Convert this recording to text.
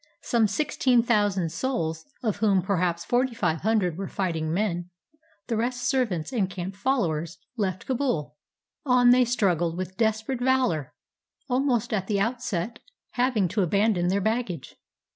Some sixteen thousand souls, of whom perhaps forty five hundred were fighting men, the rest servants and camp followers, left Kabul. On they struggled with desperate valor, almost at the outset hav ing to abandon their baggage.